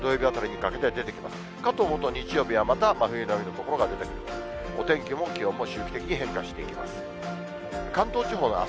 かと思うと、日曜日はまた真冬並みの所が出てくると、お天気も周期的に変化していきます。